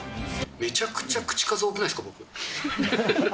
めちゃくちゃ口数多くないですか、僕。